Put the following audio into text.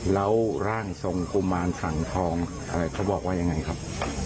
แล้วร่างทรงกุมารสังทองอะไรเขาบอกว่ายังไงครับ